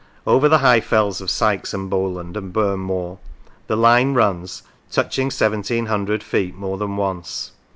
Over the high fells of Sykes and Bowland and Burn Moor the line runs, touching seventeen hundred feet more than once.